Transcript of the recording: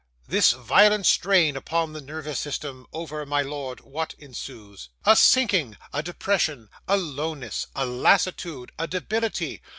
'This violent strain upon the nervous system over, my lord, what ensues? A sinking, a depression, a lowness, a lassitude, a debility.